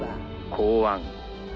公安。